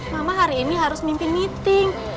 mama hari ini harus mimpi meeting